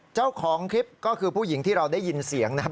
เจ้าของคลิปก็คือผู้หญิงที่เราได้ยินเสียงนะครับ